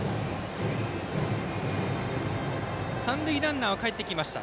三塁ランナーはかえってきました。